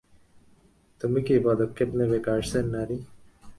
তুমি কী পদক্ষেপ নেবে, কার্সের রানী?